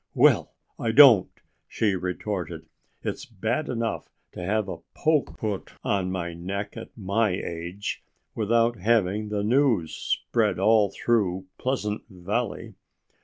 "Well, I don't!" she retorted. "It's bad enough to have a poke put on my neck, at my age, without having the news spread all through Pleasant Valley."